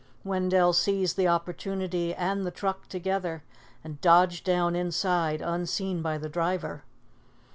Wendell seized the opportunity and the truck together; and dodged down inside unseen by the driver.